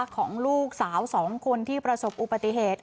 ของลูกสาว๒คนที่ประสบอุบัติเหตุ